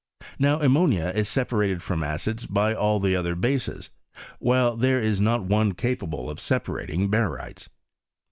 Now ammonia is se parated from acids by all the other bases; while there is not one capable of separating barytes.